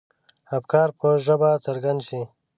افکار په ژبه څرګند شي.